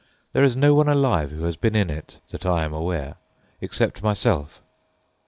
There is no one alive who has been in it, that I am aware, except myself."